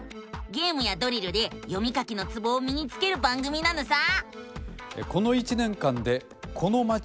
ゲームやドリルで読み書きのツボをみにつける番組なのさ！